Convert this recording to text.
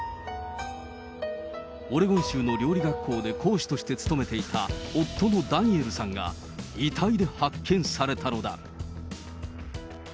オレゴン州の料理学校で講師として勤めていた夫のダニエルさんが遺体で発見されたのだ。